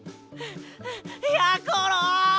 やころ！